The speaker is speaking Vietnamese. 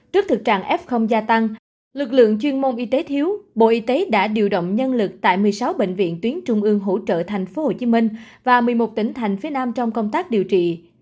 trước thực trạng f gia tăng lực lượng chuyên môn y tế thiếu bộ y tế đã điều động nhân lực tại một mươi sáu bệnh viện tuyến trung ương hỗ trợ tp hcm và một mươi một tỉnh thành phía nam trong công tác điều trị